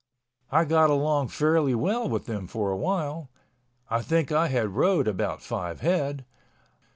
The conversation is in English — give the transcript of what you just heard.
I got along fairly well with them for awhile. I think I had rode about five head.